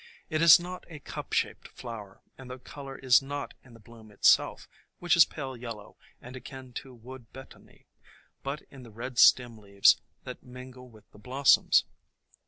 It is not a cup shaped flower, and the color is not in the bloom itself, which is pale yellow and akin to Wood Betony, but in the red stem leaves that mingle with the blossoms.